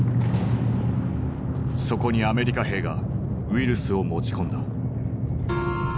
そこにアメリカ兵がウイルスを持ち込んだ。